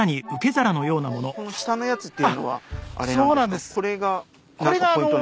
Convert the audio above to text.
この下のやつっていうのはあれなんですか？